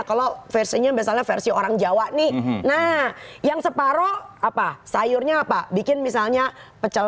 kalau versinya misalnya versi orang jawa nih nah yang separoh apa sayurnya apa bikin misalnya pecel